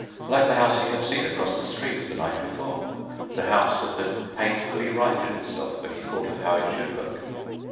Like the house he had seen across the street the night before, the house that had painfully righted itself when he thought of how it should look.